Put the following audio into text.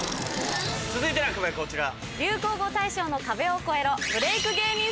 続いての壁はこちら。